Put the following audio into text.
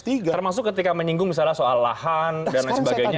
termasuk ketika menyinggung misalnya soal lahan dan lain sebagainya